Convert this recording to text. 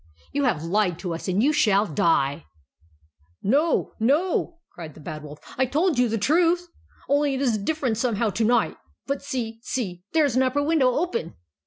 " You have lied to us, and you shall die !"" No, no !" cried the Bad Wolf. " I told you the truth ; only it is different somehow to night. But see ! see ! there is an upper window open